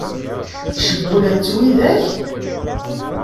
Cewwlen-tt widak?